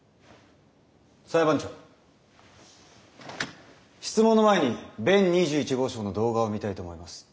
裁判長質問の前に弁２１号証の動画を見たいと思います。